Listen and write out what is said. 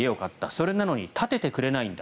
それなのに建ててくれないんだ